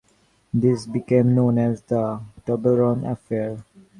This became known as the Toblerone affair.